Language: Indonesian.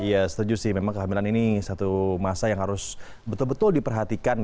ya setuju sih memang kehamilan ini satu masa yang harus betul betul diperhatikan